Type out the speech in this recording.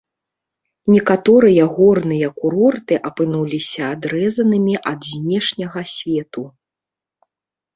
Некаторыя горныя курорты апынуліся адрэзанымі ад знешняга свету.